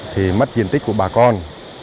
thì mất diện tích của bà con